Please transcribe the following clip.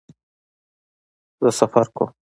زه سفر کوم